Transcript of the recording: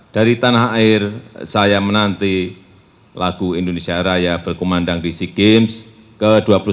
dari tanah air saya menanti lagu indonesia raya berkumandang di sea games ke dua puluh satu